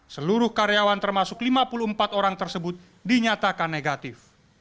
seluruh karyawan termasuk lima puluh empat orang tersebut dinyatakan negatif